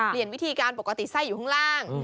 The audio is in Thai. วิธีการปกติไส้อยู่ข้างล่าง